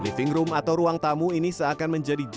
living room atau ruang tamu ini seakan menjadi jalan